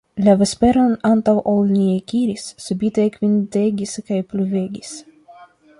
La vesperon antaŭ ol ni ekiris, subite ekventegis kaj pluvegis.